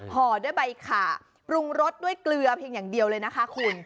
ห่อด้วยใบขาปรุงรสด้วยเกลือเพียงอย่างเดียวเลยนะคะคุณ